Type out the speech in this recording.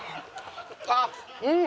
あっうん！